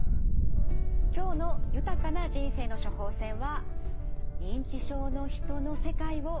今日の豊かな人生の処方せんは。でした。